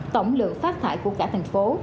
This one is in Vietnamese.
tổng lượng phát thải của cả thành phố